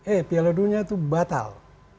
eh piala dunia itu batal